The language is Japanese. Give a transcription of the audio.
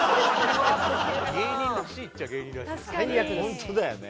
ホントだよね。